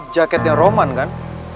jaketnya roman kan